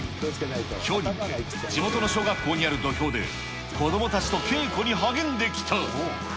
きょうに向け、地元の小学校にある土俵で、子どもたちと稽古に励んできた。